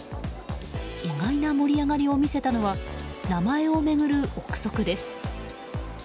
意外な盛り上がりを見せたのは名前を巡る憶測です。